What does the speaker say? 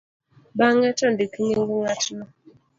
bang'e to ndik nying' ng'atno